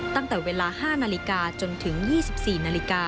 ตั้งแต่เวลา๕นจนถึง๒๔น